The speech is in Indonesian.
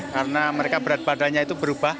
karena mereka berat badannya itu berubah